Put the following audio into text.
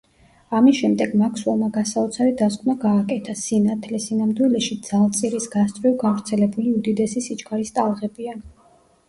ამის შემდეგ მაქსველმა გასაოცარი დასკვნა გააკეთა: სინათლე, სინამდვილეში ძალწირის გასწვრივ გავრცელებული უდიდესი სიჩქარის ტალღებია.